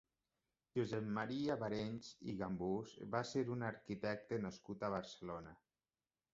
Josep Maria Barenys i Gambús va ser un arquitecte nascut a Barcelona.